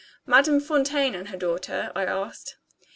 "Madame Fontaine and her daughter?" I said.